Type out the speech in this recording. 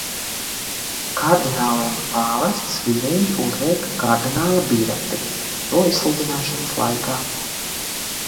Kardināliem pāvests svinīgi uzliek kardināla bireti to izsludināšanas laikā.